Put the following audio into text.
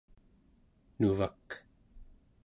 nuvak